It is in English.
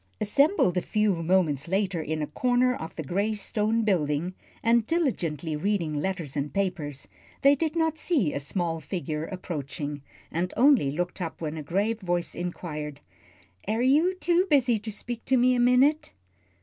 Assembled a few moments later in a corner of the gray stone building, and diligently reading letters and papers, they did not see a small figure approaching, and only looked up when a grave voice inquired, "Air you too busy to speak to me a minute?"